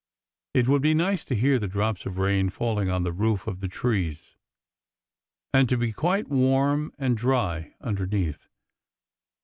It would be nice to hear the drops of rain falling on the roof of the trees, and to be quite warm and dry underneath.